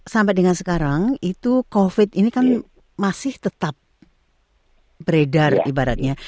sampai dengan sekarang itu covid ini kan masih tetap beredar ibaratnya